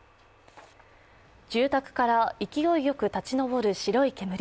住宅から勢いよく立ち上る白い煙。